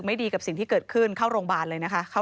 ก็ไม่รู้ว่าฟ้าจะระแวงพอพานหรือเปล่า